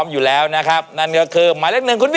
สวัสดีครับสวัสดีครับพร้อมนะครับ